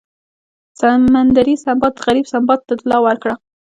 سمندري سنباد غریب سنباد ته طلا ورکړه.